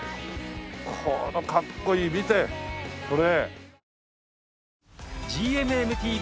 このかっこいい見てこれ。